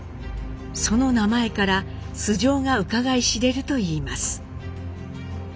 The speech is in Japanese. その名前から素性がうかがい知れるといいます。